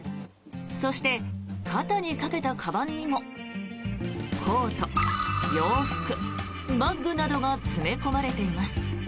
そして、肩にかけたかばんにもコート、洋服、バッグなどが詰め込まれています。